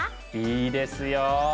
いいですよ。